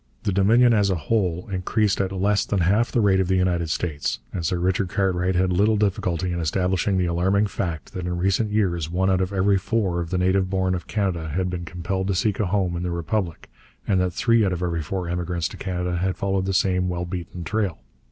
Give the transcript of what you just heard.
The Dominion as a whole increased at less than half the rate of the United States, and Sir Richard Cartwright had little difficulty in establishing the alarming fact that in recent years one out of every four of the native born of Canada had been compelled to seek a home in the Republic, and that three out of every four immigrants to Canada had followed the same well beaten trail.